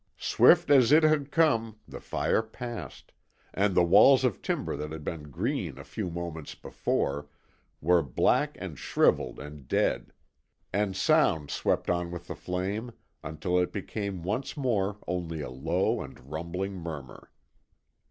Swift as it had come the fire passed; and the walls of timber that had been green a few moments before were black and shrivelled and dead; and sound swept on with the flame until it became once more only a low and rumbling murmur.